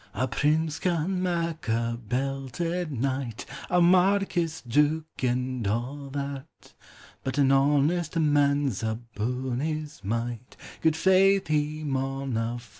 C prince can mak a belted knight, A marquis, duke, and a' that ; But an honest man 's aboon his might, — Guicl faith, he maunna fa' that